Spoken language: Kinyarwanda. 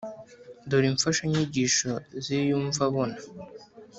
dore imfashanyigisho z’iyumvabona,